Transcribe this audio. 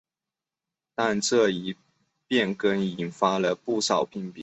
但这一变更引发不少批评。